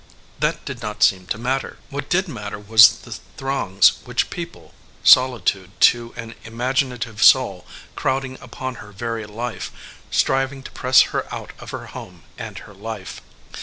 That did not seem to matter. What did matter was the throngs which people solitude to an imaginative soul crowding upon her very life, striving to press her out of her home and her life.